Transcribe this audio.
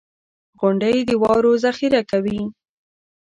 • غونډۍ د واورو ذخېره کوي.